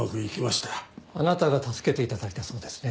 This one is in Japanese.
あなたが助けて頂いたそうですね。